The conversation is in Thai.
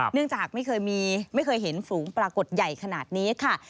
เนื่องจากไม่เคยเห็นฝูงปรากฏใหญ่ขนาดนี้ค่ะ